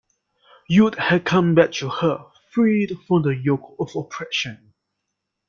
Youth had come back to her, freed from the yoke of oppression.